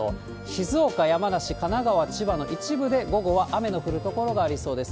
静岡、山梨、神奈川、千葉の一部で、午後は雨の降る所がありそうです。